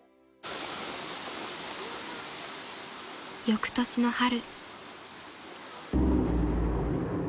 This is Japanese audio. ［翌年の春］